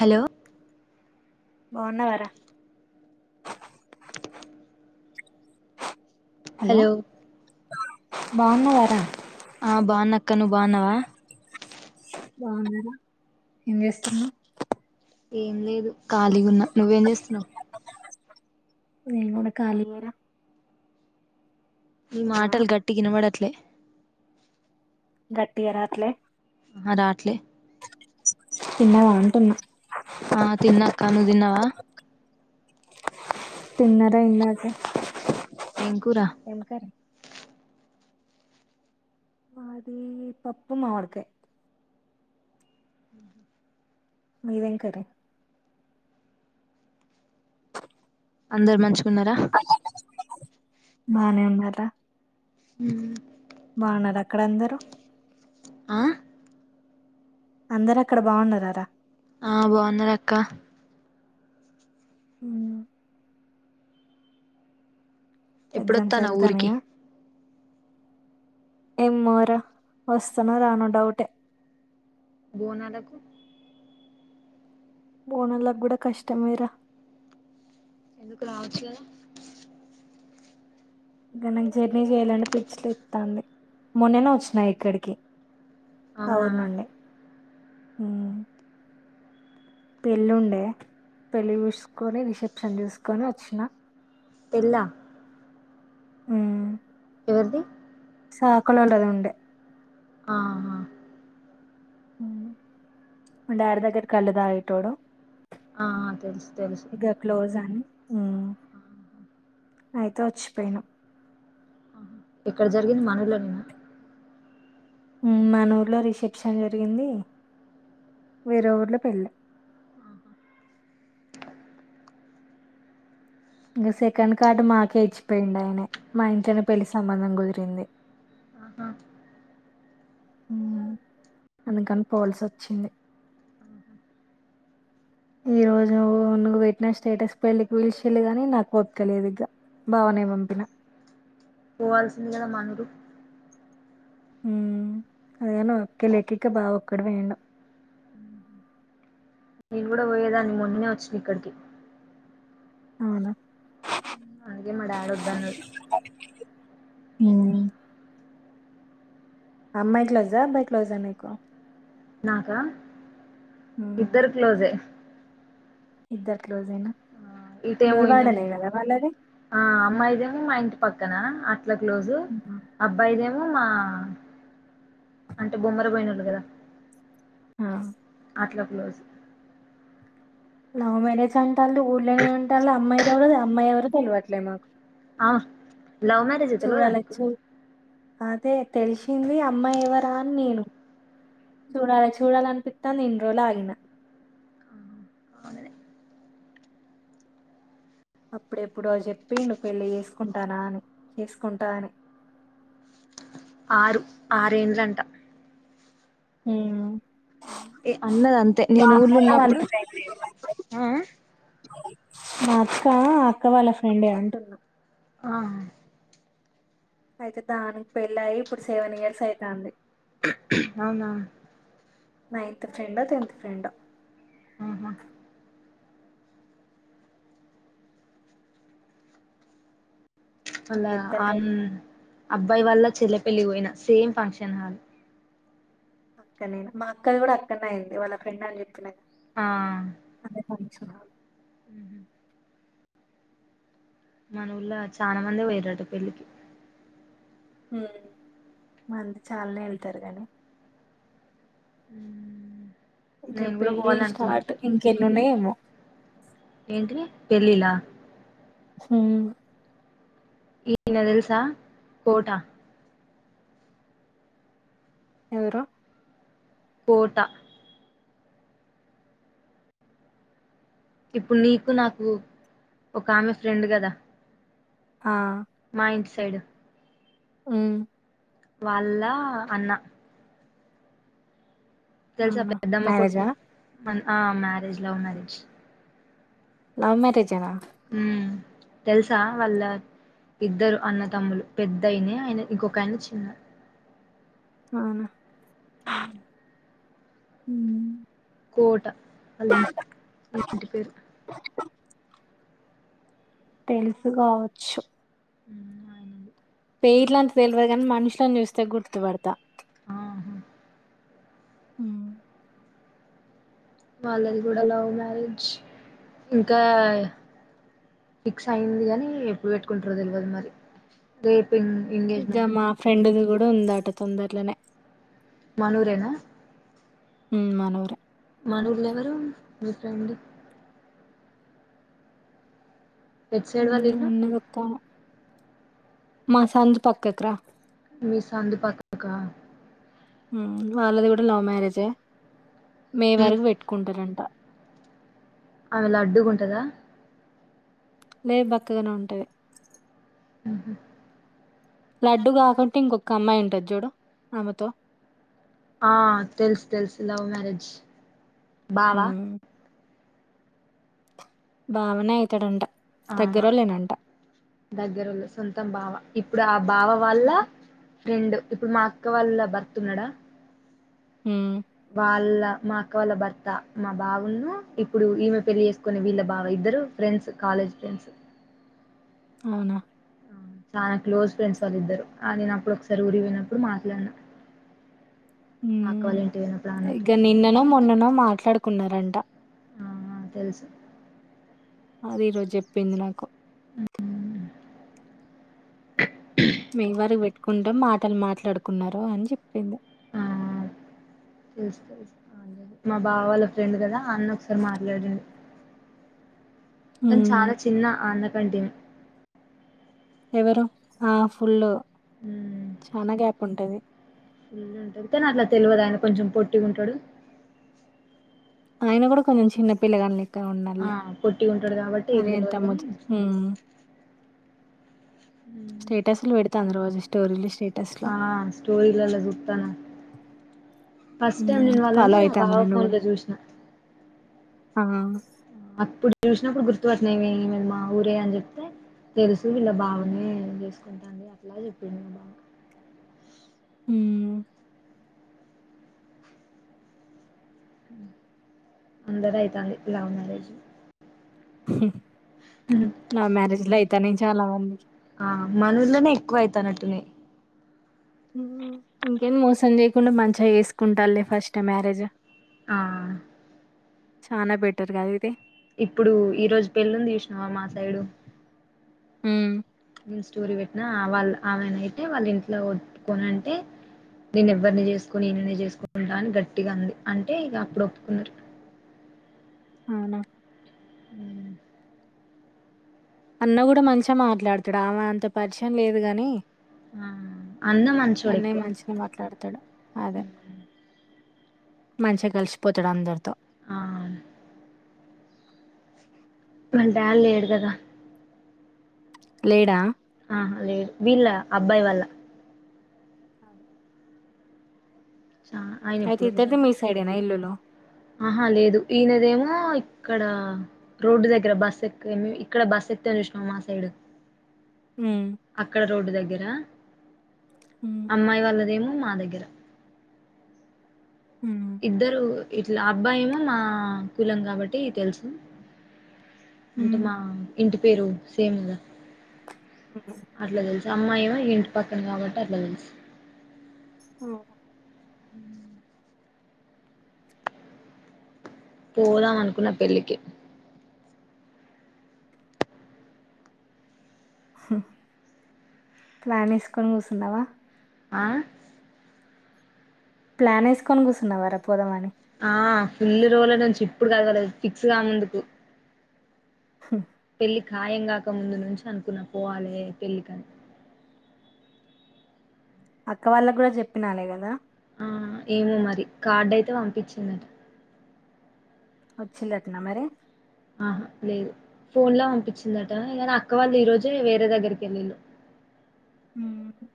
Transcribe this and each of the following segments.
Hello బాగున్నరార hello బాగున్న వార ఆ బాన్నక్క నువ్వు బాగున్నావా బాగున్నారా ఏం చేస్తున్నావ్ ఏం లేదు ఖాళీగున్న నువ్వేం చేస్తున్నావు నేను కుడా కలిగ ఉన్న ఈ మాటల్ గట్టిగ వినబడత్లే గట్టిగ రాట్లే ఆహా రాట్లే తిన్నవ అంటూనా ఆ తిన్నాక్క నువ్వు తిన్నావా తిన్నార ఇందాకె ఏం కూరా మాది పప్పు మావిడికాయ్ మీదేం కర్రి అందరు మంచిగన్నరా బానే ఉన్నర్రా మ్ బాగున్నార అక్కడందరూ ఆ అందరు అక్కడ బాగున్నార ఆ బాగున్నార్ అక్క మ్ ఎగ్జామ్స్ ఎప్పుడొత్తన్నావ్ ఊరికి జరుగుతాన్నయా ఎమోరా వస్తనొ రానొ డౌటే బోనాలకు బోనలాక్ గుడ కష్టమేరా ఎందుకు రావొచ్చు గద ఇక నాక్ జర్నీ చేయ్యాలంటె పిచ్చలేఇస్తాంది మొన్ననే వచ్చినా ఇక్కడికి అవునా అవునండి పెళ్ళి ఉండే పెళ్లి చూసుకొని రిసెప్షన్ చూసుకొని వచ్చిన పెల్లా మ్ ఎవరిది సాకలోల్లద్ ఉండె ఆహా డాడి దగ్గర కళ్లుదాగెటోడు ఆ తెలుసు తెలుసు ఉ అయితే ఓచ్చిపోయిన ఎక్కడ జరిగింది మనలో నేనా మనూర్లో రిసెప్షన్ జరిగింది వేరెఊర్లొ పెళ్ళి ఇంక సెకండ్ కార్డు మాకే ఇచ్చిపోయిండు ఆయనె మా ఇంట్లనె పెళ్లి సంబంధం కుదిరింది అ అందుకని పోవాల్సి వచ్చింది ఈ రోజు నువ్వు పెట్టిన స్టేటస్ పెళ్ళికి పీలిచిేి గాని నాకు ఒపకలేదు ఇగా బావనే పంపిన పోవాల్సింది కదా మానడు అదన ఒకే లెక్కకి బాగా ఒక్కడ వేం ఆ నేను కూడా పోయేదాన్ని మొన్ననే వచ్చింది ఇక్కడికి అవునా అఘ మడాడ్ వద్దు అన్నడు ఉమ్ అమ్మాయి క్లోజా అబ్బాయి క్లోజా నీకు నాకా ఇద్దరు క్లోజే ఇద్దరు క్లోజ్ అయినా ఇట ఏమయినా ఆ అమ్మాయిదేమి మా ఇంటి పక్కన అ ఇట్లా క్లోజు ఉమ్. అబ్బాయిదేమో మా అంటే బొమ్మర పోయిన వాళ్ళు కదా హా అట్లా క్లోజ్ లవ్ మ్యారేజ్ అంటారు ఊళ్ళలోనే ఉంటళ్ అమ్మాయిలు ఎవరు అమ్మాయి ఎవరు తెలివట్లేదు మాకు ఆ లవ్ మ్యారేజ్ ఆ తెల్వదా చూడాలి నీకు చూ అదే తెలిసింది అమ్మాయి ఎవరా అని నేను చూడాలి చూడాలనిపితా నిం రోజులు ఆగిన అవుననే అప్పుడెప్పుడు అ చెప్పి ను్వు పెళ్ళి చేసుకుంటానా అని చేసుకుంటా అని ఆరు ఆరేంద్రంట మ్మ్ ఏ అన్నది అంతే [inaudible] నేను ఊర్లో ఉన్నప్పుడు ఆ మా అక్క అక్క వాళ్ళ ఫ్రెండే అంటున్నా ఆహా అయితే దానికి పెళ్ళయి ఇప్పుడు సెవెన్ ఇయర్స్ అయితంది అవునా నైన్త్ ఫ్రెండ్ ఓ టెన్త్ ఫ్రెండ్ ఒ ఆహా అళ్ళ నేను చెప్తాను అ రండి అబ్బాయి వల్ల చెల్లె పెళ్లి పోయిన సేమ్ ఫంక్షన్ హాల్ అక్కననా మా అక్క కూడా అక్కనే అయిది వాళ్ళ ఫ్రెండ్ అని చెప్పిన ఆ [inaudible] ఉ మన ఊళ్ళ చనా మంది పోయిలు పెళ్ళికి మాంద చాలానే వెళ్తారు గానీ ఉ ఇక పెళ్ళిళ్ళ స్టార్ట్ ఇంకెన్ని ఉన్నాయే ఏమో ఏంటిది పెళ్లిళ్ల హుమ్మ్ ఈయన తెల్సా కోట ఎవరు పోటా ఇప్పుడు నీకు నాకు ఒక ఆమ ఫ్రెండ్ కదా ఆ మా ఇంటి సైడ్ మ్మ్ వాళ్ళ అన్న తెలుసా అవునా పెద్దమ్మ కొడుకు మ్యారేజా ఆ marriage love marriage love marriage అనా హ తెలుసా వాళ్ళ ఇద్దరు అన్నతమ్ములు పెద్దయినే ఆయన ఇంకొక ఆయన చిన్నారు అవునా హ మ్మ్ కోట అలి మంటి పేరు తెలుసు కావచ్చు ఉ అయినండి పేర్ల అంత తెలియదు కానీ మనుషులని చూస్తే గుర్తుపడతా ఆహా ఉమ్ వాళ్ళది కూడా లవ్ మ్యారేజ్ ఇంకా ఫిక్స్ అయింది కాని ఎప్పుడు పెట్టుకుంటరో తెలవదు మరి రేపు ఎం ఇగ ఎంగేజ్మెంట్ మా అంట ఫ్రెండ్ది కూడా ఉందట తొందరలోనే మనూరేనా ఉ మనూరే మనూర్ల ఎవరు మీ ఫ్రెండ్ ఎటు సైడ్ ఉమ్, వాళ్ళిళ్ళు ఉన్నదక్క మా సందు పక్కకి రా మీ సందు పక్కకా వాళ్ళది కూడ లవ్ మ్యారేజే మే వరకు పెట్టుకుంటరంట ఆమె లడ్డుగుంటదా లే బక్కగనే ఉంటది ఉహు లడ్డు కాకుంట ఇంకొక్క అమ్మాయి ఉంటది చూడు ఆమెతో ఆ తెలుసు తెలుసు లవ్ మ్యారేజ్ బావా ఉమ్, బావనే అయితడంట ఆ దగ్గరలో సొంతం బావ ఇప్పుడు ఆ బావ వాళ్ళ ఫ్రెండ్ ఇప్పుడు మా అక్క వాళ్ళ భర్త్ ఉన్నడా ఉమ్ వాళ్ళ మా అక్క వాళ్ళ భర్త మా బావున్ను ఇప్పుడు ఈమె పెళ్లి చేసుకునే వీళ్ళ బావ ఇద్దరు ఫ్రెండ్స్ కాలేజ్ ఫ్రెండ్స్ అవునా చానా క్లోజ్ ఫ్రెండ్స్ వాళ్ళిద్దరు ఆ నేను అప్పుడు ఒకసారి ఊరికి పోయినప్పుడు మాట్లాడినా ఇగ నిన్ననో మొన్ననో మాట్లాడుకున్నరంట ఆహా తెలుసు అది ఈరోజు చెప్పింది నాకు మే వరకు పెట్టుకుంటాం మాటలు మాట్లాడుకున్నరు అని చెప్పింది ఆ తెలుసు తెలుసు మా బావ వాళ్ళ ఫ్రెండ్ కదా అన్న ఒకసారి మాట్లాడిండు తను ఉమ్, చాలా చిన్న ఆ అన్నకంటె ఎవరు ఆ ఫుల్ చానా గ్యాప్ ఉంటది ఫుల్లు ఉంటది కానీ అట్ల తెలవదు ఆయన కొంచెం పొట్టిగుంటడు ఆయన కూడా కొంచెం చిన్న పిల్లగాని లె ఆ పొట్టిగ ఉంటడు కాబట్టి ఏం ఎంత తెల్వదు కానీ ముద్దు ఉమ్ స్టేటస్లు పెడతాంది రోజు స్టోరీలు స్టే ఆ స్టోరీలల్ల చూత్తాన్న హ ఫాలో అయితాందా నిన్ను కూడా లో చూసిన ఇప్పుడు చూసినప్పుడు గుర్తుపట్టిన ఈమె ఈమెది మా ఊరే అని చెప్తే తెలుసు వీళ్ళ బావనే చేసుకుంటాంది అట్లా చెప్పిండు మా బావ ఉ అందరిది ఐతాంది లవ్ మ్యారేజ్ లవ్ మ్యారేజ్లే అయితాన్నై చాలా మందికి ఆ మన ఊర్లనే ఎక్కువ అయితానట్టున్నయి ఇంకేంది మోసం చేయకుండ మంచిగ చేసుకుంటాల్లే ఫస్ట్ మ్యారేజ్ ఆ చానా బెటర్ కద ఇది ఇప్పుడు ఈ రోజు పెళ్ళి ఉంది చూసినవా మా సైడు ఉ నేను స్టోరీ పెట్టినా ఆ వాళ్ళు ఆమెనయితే వాళ్ళ ఇంట్లో ఒప్పుకోను అంటే నేను ఎవ్వరిని చేసుకోను ఈననే చేసుకుంటా అని గట్టిగ అంది అంటే ఇక అప్పుడు ఒప్పుకున్నారు అవునా ఉ అన్న గూడా మంచిగ మాట్లాడుతాడు ఆమె అంత పరిచయం లేదు గాని ఆ అన్న మంచోడు అన్నయ్య ఎక్కువ మంచిగనే మాట్లాడు తడు అదే మంచ కలిసిపోతాడు అందరితో ఆ వాళ్ డాడ్ లేడు గదా లేడా ఆహ లేడు వీళ్ళ అబ్బాయి వల్ళ అదే చా అయితే ఎప్పుడో ఇద్దరిది మీ చనిపోయాడు సైడేనా ఇల్లులు? అహా లేదు ఈయనదేమో ఇక్కడ రోడ్డు దగ్గర బస్ ఎక్కేమి ఇక్కడ బస్ ఎ తరు చూసినవా మా సైడ్ హ్మ్. అక్కడ రోడ్డు దగ్గర హ్మ్. అమ్మాయి వాళ్లదేమో మా దగ్గర హ్మ్. ఇద్దరు ఇట్లా అబ్బాయిేమో మా కులం కాబట్టి తెలుసు అంటే హ్మ్. మా ఇంటి పేరు సేమ్ గద అట్లా తెలుసు అమ్మాయమో ఇగ ఇంటి పక్కన కాబట్టి అట్ల తెలుసు అవ్ ఉ పోదాం అనుకున్న పెళ్ళికి హు ప్లాన్ ఏసుకొని కూసున్నావా ఆ ప్లాన్ ఏసుకొని కూసున్నావరా పోదామని ఆ ఫుల్ల్ రోజుల నుంచి ఇప్పుడు గదువలేదు ఫిక్స్ గానందుకు హు పెళ్ళి ఖాయం గాక ముందు నుంచి అనుకున్న పోవాలే పెళ్ళికని అక్క వాళ్ళ గూడా చెప్పినాలే గదా ఆ ఏమో మరి కార్డ్ అయితే వంపిచ్చిందట ఒచ్చిందట్నా మరి అహ లేదు ఫోన్ లో వంపిచ్చిందటా గాన్ అక్క వాళ్ళు ఈ రోజే వేరే దగ్గరికి ఎళ్ళిళ్ళు ఊహు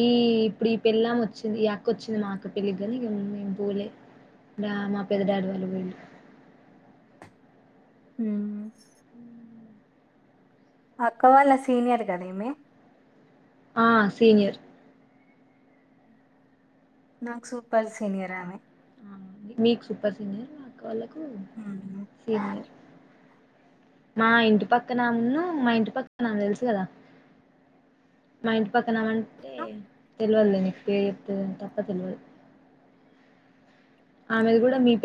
ఈ ఇప్పుడు ఈ పెళ్ళం ఒచ్చింది ఈ అక్క వచ్చింది మా అక్క పెళ్ళికి గానీ మేం పోలే డా మా పెద్ద డాడి వాళ్ళు వొయిళ్ళు హ్మ్ అక్క వాళ్ళ సీనియర్ గదీమె ఆ సీనియర్ నాక్ సూపర్ సీనియర్ ఆమె మీకు సూపర్ సీనియర్ నాకు వాళ్ళ ఆ మా ఇంటి పక్కనాన్ను మా ఇంటి పక్కన్న దెలుసు గదా మైన్ పక్కనామంటే తెలువదులే నీకు పే చెప్తే గాన్ తప్ప తెలువదు ఆమెది గూడా మీ పే